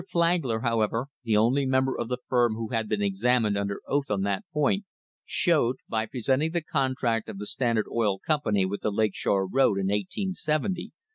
Flagler, however, the only member of the firm who has been examined under oath on that point, showed, by presenting the contract of the Standard Oil Com pany with the Lake Shore road in 1870, that the rates varied during the year from $1.